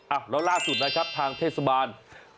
อ่ะแล้วล่าสุดนะครับทางเทศบาล